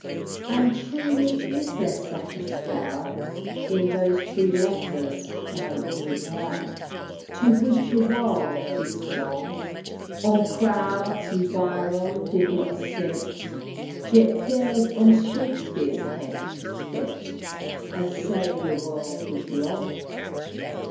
XXII. And, truly, is there such a spell In those three letters, L. E. L., To witch a world with song? On clouds the Byron did not sit, Yet dar'd on Shakspeare's head to spit, And say the world was wrong!